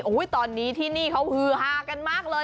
โอ้โหตอนนี้ที่นี่เขาฮือฮากันมากเลย